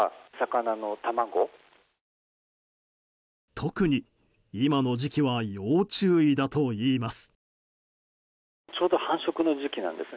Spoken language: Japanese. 特に、今の時期は要注意だといいます。